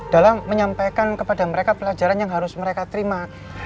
dalam menyampaikan kepada mereka pelajaran yang harus mereka terima